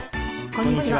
こんにちは。